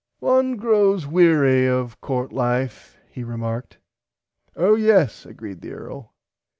One grows weary of Court Life he remarked. Ah yes agreed the earl.